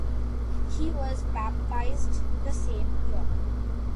He was baptized that same year.